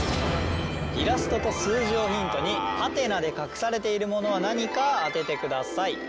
イラストと数字をヒントにハテナで隠されているものは何か当ててください。